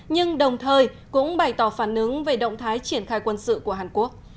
nhưng đồng thời cũng bày tỏ phản ứng về động thái triển khai quân sự của hàn quốc